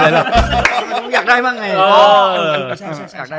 อันทรงนี้